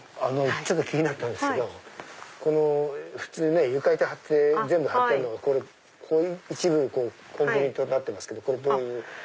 ちょっと気になったんですけど普通床板張って全部張ってあるのが一部コンクリートがかってるけどこれどういう？